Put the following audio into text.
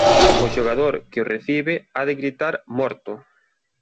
O xogador que o recibe ha de gritar "Morto!